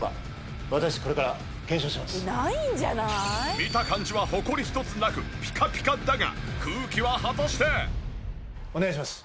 見た感じはホコリ１つなくピカピカだが空気は果たして？お願いします。